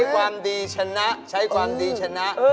ความดีชนะใช้ความดีชนะ